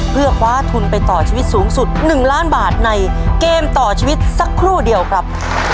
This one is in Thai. เพื่อคว้าทุนไปต่อชีวิตสูงสุด๑ล้านบาทในเกมต่อชีวิตสักครู่เดียวครับ